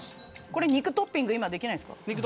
これ肉トッピング今できないんですか。